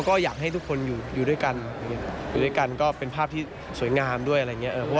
ขออยากให้ทุกคนอยู่เด้อกันเป็นภาพที่สวยงามด้วย